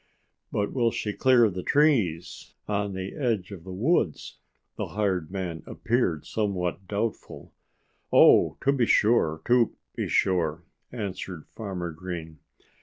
"But will she clear the trees on the edge of the woods?" The hired man appeared somewhat doubtful. "Oh, to be sure to be sure!" answered Farmer Green.